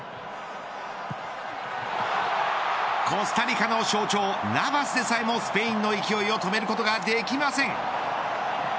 コスタリカの象徴ナヴァスでさえもスペインの勢いを止めることができません。